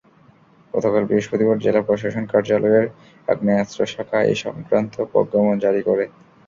গতকাল বৃহস্পতিবার জেলা প্রশাসন কার্যালয়ের আগ্নেয়াস্ত্র শাখা এ-সংক্রান্ত প্রজ্ঞাপন জারি করে।